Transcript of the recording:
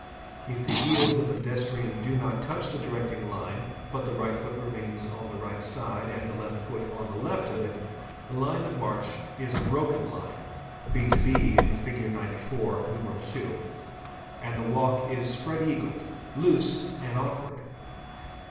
If the heels of the pedestrian do not touch the directing line but the right foot remains on the right and the left foot on the left of it, the line of march is a broken line (6 bin lig. 94, IL.) and the walk is spread eagled, loose, and awkward.